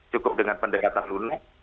cukup dengan pendekatan lunak